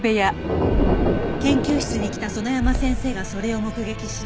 研究室に来た園山先生がそれを目撃し。